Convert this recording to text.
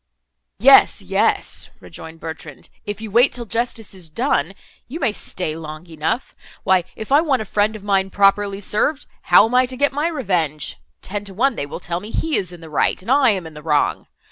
"Yes, yes," rejoined Bertrand, "if you wait till justice is done you—you may stay long enough. Why if I want a friend of mine properly served, how am I to get my revenge? Ten to one they will tell me he is in the right, and I am in the wrong.